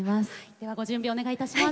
ではご準備お願いいたします。